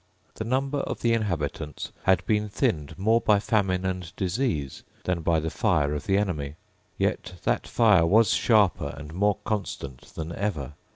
The number of the inhabitants had been thinned more by famine and disease than by the fire of the enemy. Yet that fire was sharper and more constant than ever.